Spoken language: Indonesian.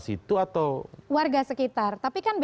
situ atau warga sekitar tapi kan